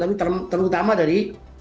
tapi terutama dari